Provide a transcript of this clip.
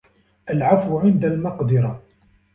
العفو عند المقدرة